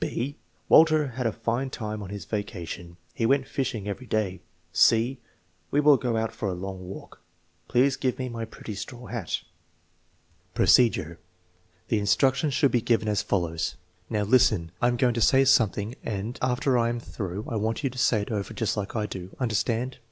(6) " Walter had a fine time on his vacation. He went fishing every day." (c) "We mil go out for a long walk. Please give me my pretty straw hat" Procedure. The instructions should be given as follows: Now, listen. I am going to say something and after I am through I want you to say it over just like I do. Understand